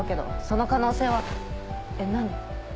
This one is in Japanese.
その可能性はえっ何？